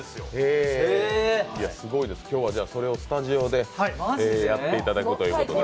すごいです、今日はそれをスタジオでやっていただくということで。